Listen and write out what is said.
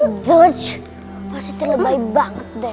george pasti terlebih banget deh